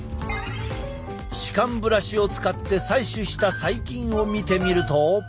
歯間ブラシを使って採取した細菌を見てみると。